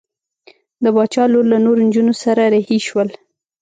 د باچا لور له نورو نجونو سره رهي شول.